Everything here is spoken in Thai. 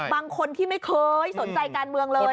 บางคนที่ไม่เคยสนใจการเมืองเลย